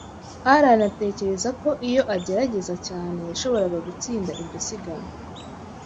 Alain atekereza ko iyo agerageza cyane, yashoboraga gutsinda iryo siganwa.